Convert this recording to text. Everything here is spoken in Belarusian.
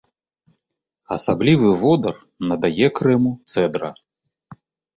Асаблівы водар надае крэму цэдра.